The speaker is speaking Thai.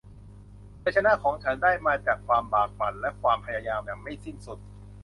ชัยชนะของฉันได้มาจากความบากบั่นและความพยายามอย่างไม่สิ้นสุด